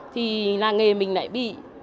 thì làng nghề mình lại bị